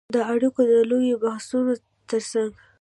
د اړیکو د لویو بحثونو ترڅنګ